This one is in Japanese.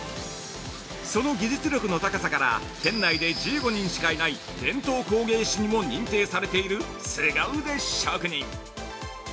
その技術力の高さから県内で１５人しかいない伝統工芸士にも認定されているすご腕職人。